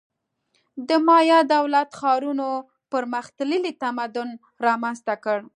د مایا دولت-ښارونو پرمختللی تمدن رامنځته کړ.